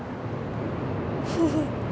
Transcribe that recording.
フフ。